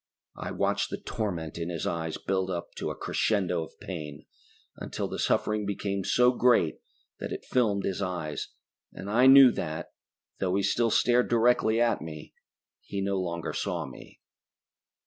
I watched the torment in his eyes build up to a crescendo of pain, until the suffering became so great that it filmed his eyes, and I knew that, though he still stared directly at me, he no longer saw me.